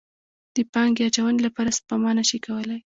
د پانګې اچونې لپاره سپما نه شي کولی.